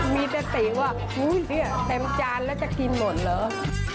มีแต่ตีวว่าเต็มจานแล้วจะกินหมดเหรอ